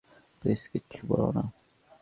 Please কিচ্ছু বোলো না।